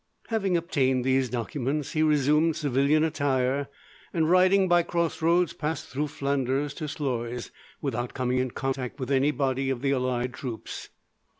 Having obtained these documents, he resumed civilian attire, and, riding by crossroads, passed through Flanders to Sluys, without coming in contact with any body of the allied troops.